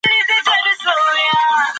خيرات او صدقات ټولنيز عدالت رامنځته کوي.